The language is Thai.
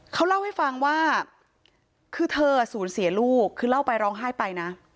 เขาเล่าให้ฟังว่าคือเธอสูญเสียลูกคือเล่าไปร้องไห้ไปนะ